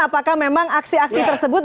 apakah memang aksi aksi tersebut